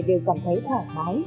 đều cảm thấy thoải mái